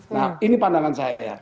nah ini pandangan saya